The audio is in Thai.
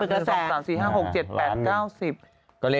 ปึกละแสนปึกละ๘๐๐๐๐บาท